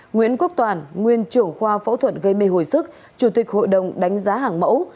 nguyễn quốc toàn nguyên trưởng khoa phẫu thuật gây mê hồi sức chủ tịch hội đồng đánh giá hàng mẫu